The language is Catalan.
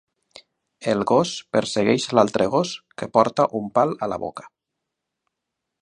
El gos persegueix l'altre gos que porta un pal a la boca.